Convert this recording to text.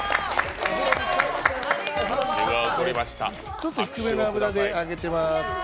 ちょっと低めの油で揚げています。